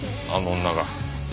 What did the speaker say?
あの女が。